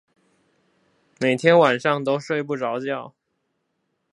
每天晚上都睡不著覺